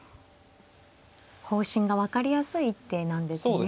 方針が分かりやすい一手なんですね。